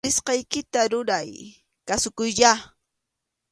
Uyarisqaykita ruray, kasukuyyá